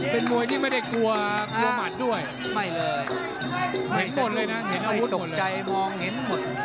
เป็นมวยที่ไม่ได้กลัวไม่เลยไม่ตกใจมองเห็นหมด